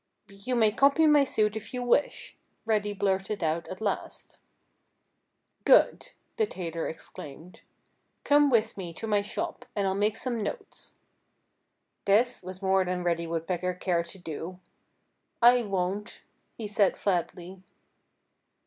"You may copy my suit if you wish," Reddy blurted at last. "Good!" the tailor exclaimed. "Come with me to my shop and I'll make some notes." This was more than Reddy Woodpecker cared to do. "I won't!" he said flatly.